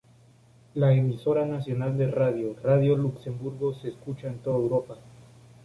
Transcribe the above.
La emisora nacional de radio, Radio Luxemburgo, se escucha en toda Europa.